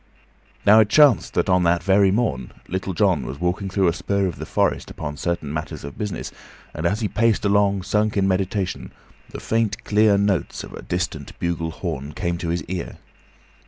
Now it chanced that on that very morn Little John was walking through a spur of the forest upon certain matters of business, and as he paced along, sunk in meditation, the faint, clear notes of a distant bugle horn came to his ear.